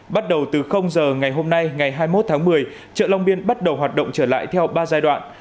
bắt đầu từ giờ ngày hôm nay ngày hai mươi một tháng một mươi chợ long biên bắt đầu hoạt động trở lại theo ba giai đoạn